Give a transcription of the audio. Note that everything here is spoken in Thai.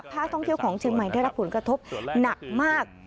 ท่องเที่ยวของเชียงใหม่ได้รับผลกระทบหนักมาก